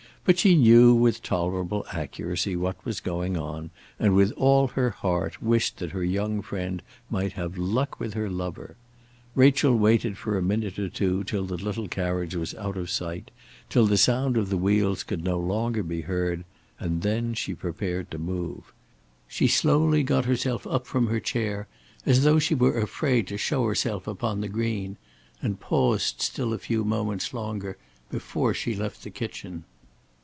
But she knew with tolerable accuracy what was going on, and with all her heart wished that her young friend might have luck with her lover. Rachel waited for a minute or two till the little carriage was out of sight, till the sound of the wheels could be no longer heard, and then she prepared to move. She slowly got herself up from her chair as though she were afraid to show herself upon the green, and paused still a few moments longer before she left the kitchen.